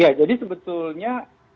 ya jadi sebetulnya